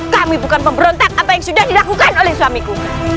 kami bukan pemberontak apa yang sudah dilakukan oleh suamiku